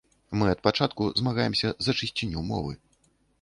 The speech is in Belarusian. Мы ад пачатку змагаемся за чысціню мовы.